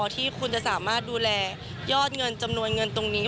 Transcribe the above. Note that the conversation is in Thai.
ที่คุณจะสามารถดูแลยอดเงินจำนวนเงินตรงนี้